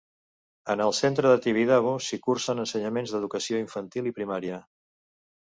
En el centre de Tibidabo s'hi cursen ensenyaments d'educació infantil i primària.